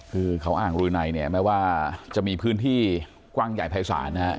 คือเขาอ้างรูในแม้ว่าจะมีพื้นที่กว้างใหญ่ภายสาร